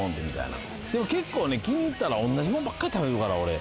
結構気に入ったら、同じもんばっかり食べるから、俺。